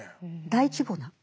大規模な。